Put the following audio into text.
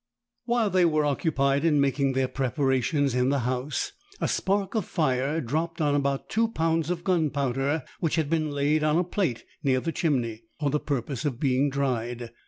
While they were occupied in making their preparations in the house, a spark of fire dropped on about two pounds of gunpowder, which had been laid on a plate near the chimney, for the purpose of being dried.